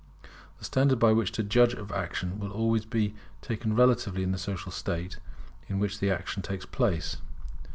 The standard by which to judge of action is always to be taken relatively to the social state in which the action takes place.